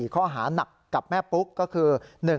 ข้อหานักกับแม่ปุ๊กก็คือ